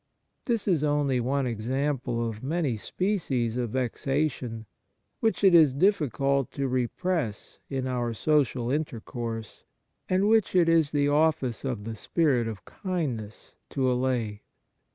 This is only one example of many species of vexation, which it is difficult to repress in our social intercourse, and which it is the office of the spirit of kindness to allay.